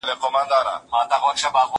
فکر د زده کوونکي له خوا کيږي!؟